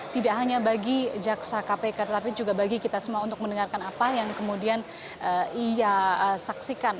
tidak hanya bagi jaksa kpk tetapi juga bagi kita semua untuk mendengarkan apa yang kemudian ia saksikan